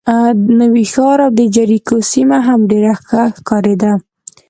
نوی ښار او د جریکو سیمه هم ډېره ښه ښکارېده.